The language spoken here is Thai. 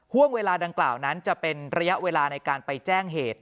ห่วงเวลาดังกล่าวนั้นจะเป็นระยะเวลาในการไปแจ้งเหตุ